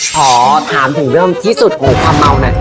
ขอถามถึงเรื่องที่สุดของความเมาหน่อย